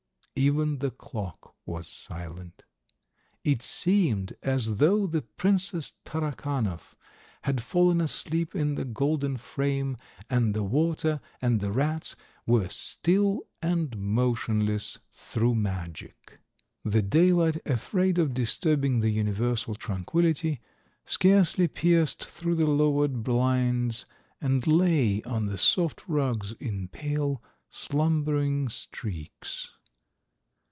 Even the clock was silent ... it seemed as though the Princess Tarakanov had fallen asleep in the golden frame, and the water and the rats were still and motionless through magic. The daylight, afraid of disturbing the universal tranquillity, scarcely pierced through the lowered blinds, and lay on the soft rugs in pale, slumbering streaks.